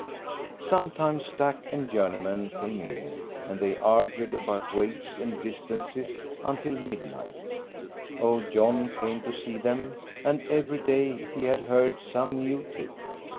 Sometimes Stack and Journeyman came in, and they argued about weights and distances, until midnight; old John came to see them, and every day he had heard some new tip.